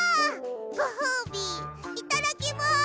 ごほうびいただきます！